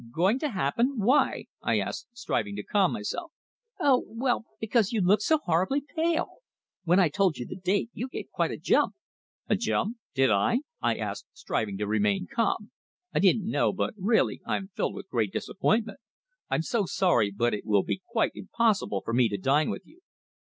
"Going to happen why?" I asked, striving to calm myself. "Oh well, because you look so horribly pale. When I told you the date you gave quite a jump!" "A jump? Did I?" I asked, striving to remain calm. "I didn't know, but, really, I'm filled with great disappointment. I'm so sorry, but it will be quite impossible for me to dine with you."